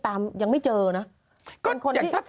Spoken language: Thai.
ตามยังไม่เจอเนาะ